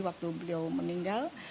waktu beliau meninggal